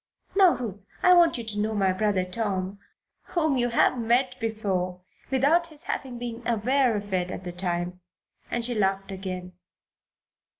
Now, Ruth, I want you to know my brother Tom, whom you have met before without his having been aware of it at the time," and she laughed again.